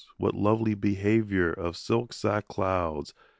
what lovely behaviour Of silk sack clouds!